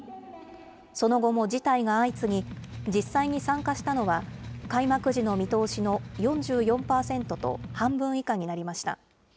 その後も辞退が相次ぎ、実際に参加したのは、開幕時の見通しの４４％と、半分以下になりました。